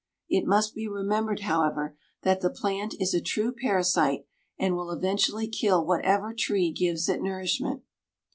It must be remembered, however, that the plant is a true parasite and will eventually kill whatever tree gives it nourishment.